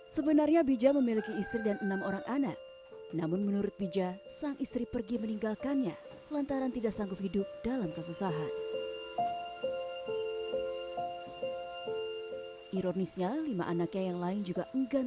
sudah dua puluh bulan tahun belum pernah duduk duduk